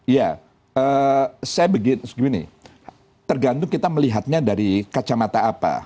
ya saya begini tergantung kita melihatnya dari kacamata apa